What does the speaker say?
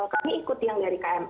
kami ikut yang dari kmp